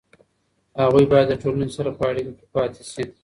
هغوی باید د ټولنې سره په اړیکه کې پاتې شي.